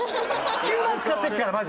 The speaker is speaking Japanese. ９万使ってるからマジ。